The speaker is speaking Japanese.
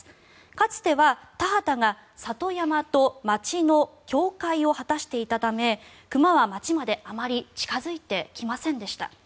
かつては田畑が里山と街の境界を果たしていたため熊は街まであまり近付いてきませんでした。